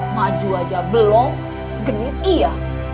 maju aja belum genit iya